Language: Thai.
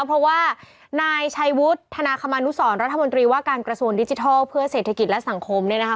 เพราะว่านายชัยวุฒิธนาคมานุสรรัฐมนตรีว่าการกระทรวงดิจิทัลเพื่อเศรษฐกิจและสังคมเนี่ยนะคะ